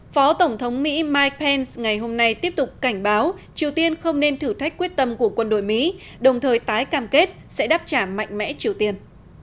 phó tổng thống mỹ mike pence ngày hôm nay tiếp tục cảnh báo triều tiên không nên thử thách quyết tâm của quân đội mỹ đồng thời tái cam kết sẽ đáp trả mạnh mẽ triều tiên